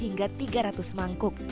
hingga tiga ratus mangkuk